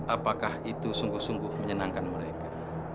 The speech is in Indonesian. apakah itu sungguh sungguh menyenangkan mereka